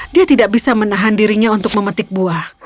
dia tidak bisa menahan dirinya untuk memetik buah